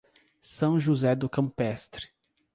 São José do Campestre